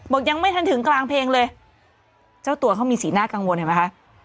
ยังไม่ทันถึงกลางเพลงเลยเจ้าตัวเขามีสีหน้ากังวลเห็นไหมคะ